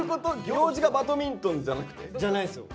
行事がバドミントンじゃなくて？じゃないんすよ。